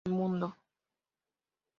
El mundo".